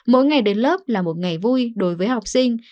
mỗi ngày đến lớp là một ngày vui đối với học sinh